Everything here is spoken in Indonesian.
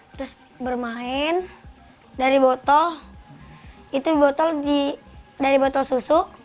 terus bermain dari botol susu